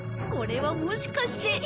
これはもしかして！